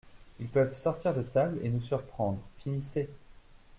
Ils peuvent sortir de table et nous surprendre, finissez !